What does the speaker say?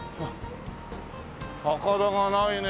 高田がないね。